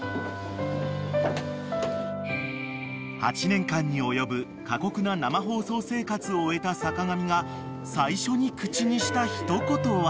［８年間に及ぶ過酷な生放送生活を終えた坂上が最初に口にした一言は］